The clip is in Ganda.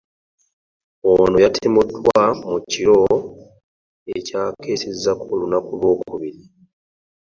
Ono yatemuddwa mu kiro ekyakeesezza ku lunaku lwokubiri